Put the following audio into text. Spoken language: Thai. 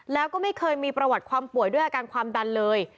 แล้วก็ไม่เคยมีประวัติความป่วยด้วยอาการความดันเลย